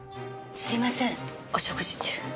すいませんお食事中。